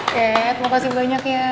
kate makasih banyak ya